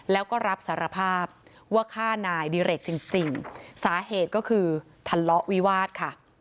แล้วก็รับสารภาพว่าฆ่านายดิเรกจริงสาเหตุก็คือทะเลาะวิวาสค่ะ